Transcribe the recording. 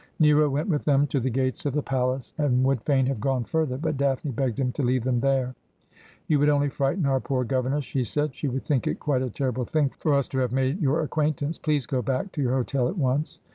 Nero went with them to the gates of the palace, and would fain have gone further, but Daphne begged him to leave them there. ' You would only frighten our poor governess,' she said. ' She would think it quite a terrible thing for us to have made your acquaintance. Please go back to your hotel at once.'